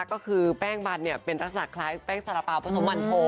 ก็คือแป้งมันเป็นลักษณะคล้ายแป้งสาระเป๋าผสมมันโพ